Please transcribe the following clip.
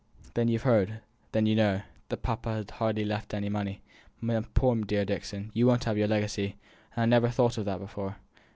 "Then you've heard then you know that papa has left hardly any money my poor dear Dixon, you won't have your legacy, and I never thought of that before!"